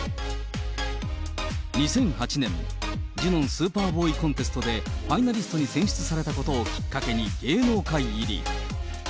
２００８年、ジュノンスーパーボーイコンテストでファイナリストに選出されたことをきっかけに、芸能界入り。